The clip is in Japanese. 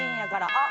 あっ！